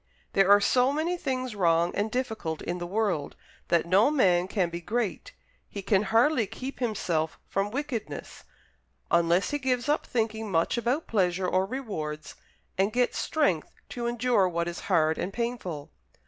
There are so many things wrong and difficult in the world, that no man can be great he can hardly keep himself from wickedness unless he gives up thinking much about pleasure or rewards, and gets strength to endure what is hard and painful.